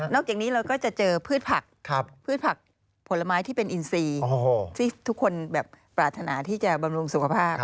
จากนี้เราก็จะเจอพืชผักพืชผักผลไม้ที่เป็นอินซีที่ทุกคนแบบปรารถนาที่จะบำรุงสุขภาพ